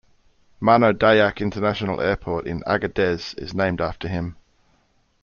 Mano Dayak International Airport in Agadez is named after him.